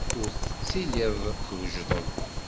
Ur tettiliḍ twejdeḍ.